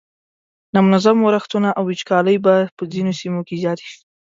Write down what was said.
نامنظم ورښتونه او وچکالۍ به په ځینو سیمو کې زیاتې شي.